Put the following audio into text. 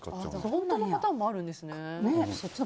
本当のパターンもあるんですね。